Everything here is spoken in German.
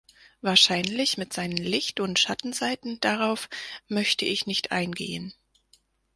Wahrscheinlich mit seinen Licht- und Schattenseiten darauf möchte ich nicht eingehen.